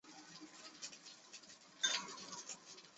一九二九年二月再版。